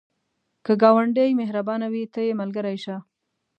که ګاونډی مهربانه وي، ته یې ملګری شه